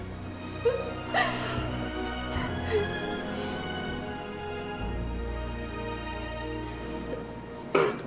jangan lupa ya